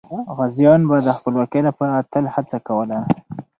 غازیان به د خپلواکۍ لپاره تل هڅه کوله.